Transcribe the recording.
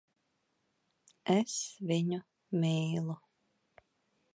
Es viņu mīlu.